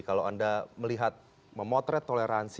kalau anda melihat memotret toleransi